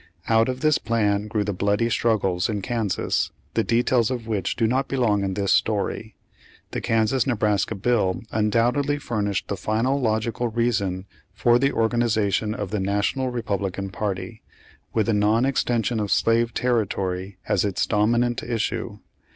Out of this plan grew the bloody struggles in Kansas, the details of which do not belong in this story. The Kansas Nebraska bill undoubtedly furnished the final logical reason for the organiza tion of the National Republican party, with the non extension of slave territory as its dominant issue.